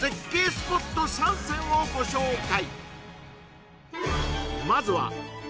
スポット３選をご紹介